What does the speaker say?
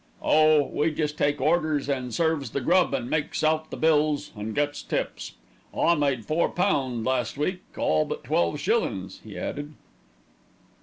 "Oh! we jest take orders, an' serves the grub, an' makes out the bills, an' gets tips. I made four pound last week, all but twelve shillings," he added.